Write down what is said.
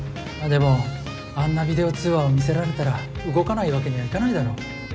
でもあんなビデオ通話を見せられたら動かないわけにはいかないだろう。